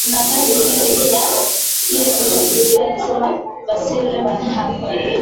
Kuna kazi nyingi zaidi ya kile walichofikiria alisema Basile van Havre